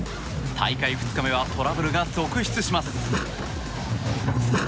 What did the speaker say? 大会２日目はトラブルが続出します。